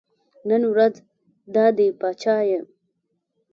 نن ورځ دا دی پاچا یم.